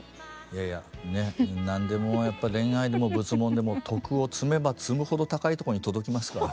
いやいやね何でもやっぱ恋愛でも仏門でも徳を積めば積むほど高いとこに届きますから。